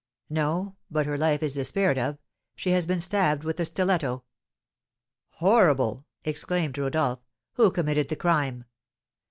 "No, but her life is despaired of; she has been stabbed with a stiletto." "Horrible!" exclaimed Rodolph. "Who committed the crime?"